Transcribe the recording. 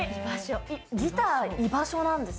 ギター居場所なんです